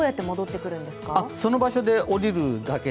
その場所でおりるだけ。